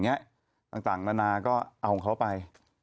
เอาของเค้าไป